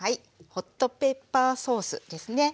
ホットペッパーソースですね。